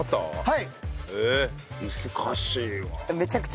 はい。